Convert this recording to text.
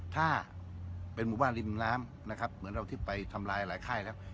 ถ้าเป็นหมู่บ้านริมน้ำนะครับเหมือนเราที่ไปทำลายหลายค่ายแล้ว